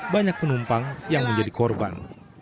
banyak penumpang yang menjadi korban